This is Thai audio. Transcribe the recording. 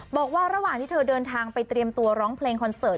บอกว่าระหว่างที่เธอเดินทางไปเตรียมตัวร้องเพลงคอนเสิร์ต